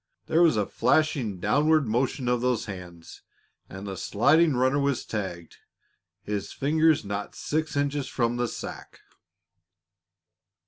There was a flashing downward motion of those hands, and the sliding runner was tagged, his fingers not six inches from the sack.